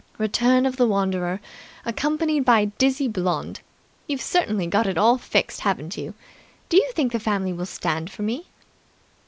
"Return of the wanderer, accompanied by dizzy blonde! You've certainly got it all fixed, haven't you! Do you think the family will stand for me?"